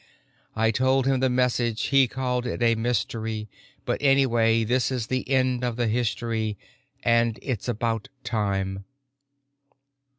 I told him the message; he called it a mystery, But anyway this is the end of the history. And it's about time!